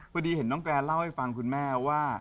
พอดีเห็นน้องแกเล่าให้ฟังคุณแม่ว่า